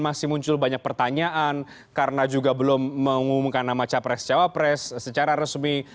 masih muncul banyak pertanyaan karena juga belum mengumumkan nama capres cawapres secara resmi